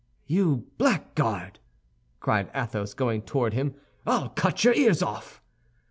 "You blackguard!" cried Athos, going toward him, "I'll cut your ears off!"